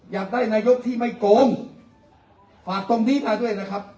อยากได้นายกที่ไม่โกงฝากตรงนี้มาด้วยนะครับ